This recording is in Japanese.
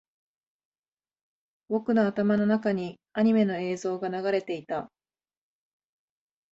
僕の頭の中にアニメの映像が流れていた